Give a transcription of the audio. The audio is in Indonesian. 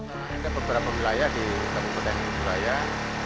ada beberapa wilayah di kabupaten raya